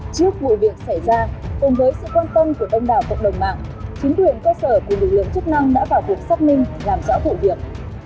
trước vụ việc xảy ra cùng với sự quan tâm của đông đảo cộng đồng mạng chính quyền cơ sở cùng lực lượng chức năng đã vào cuộc xác minh làm rõ vụ việc